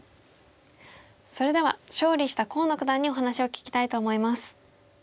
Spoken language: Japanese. それでは勝利した河野九段にお話を聞きたいと思います。